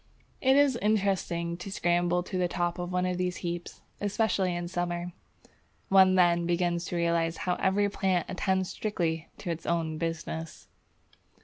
It is interesting to scramble to the top of one of these heaps, especially in summer. One then begins to realize how every plant attends strictly to its own business.